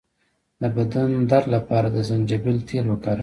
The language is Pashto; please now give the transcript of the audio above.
د بدن درد لپاره د زنجبیل تېل وکاروئ